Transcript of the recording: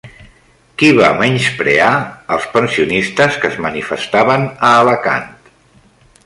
Qui va menysprear els pensionistes que es manifestaven a Alacant?